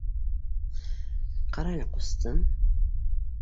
— Ҡарале, ҡустым.